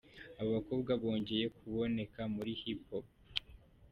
Aba bakobwa bongeye kuboneka muri HiPiPo.